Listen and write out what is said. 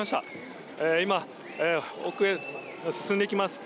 今、奥へと進んでいきます。